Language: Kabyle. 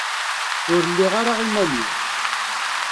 Ur lliɣ ara iman-iw.